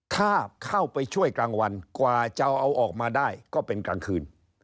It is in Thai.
ถ้าเข้าไปช่วยกลางวันกว่าจะเอาออกมาได้ก็เป็นกลางคืน